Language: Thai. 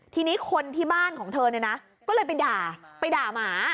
ทีนี้คนที่บ้านของเธอเนี่ยนะก็เลยไปด่าไปด่าหมา